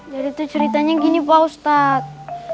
jadi tuh ceritanya gini pak ustadz